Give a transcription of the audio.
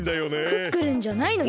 クックルンじゃないのに？